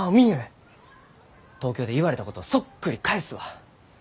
東京で言われたことをそっくり返すわ。